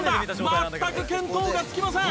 全く見当がつきません！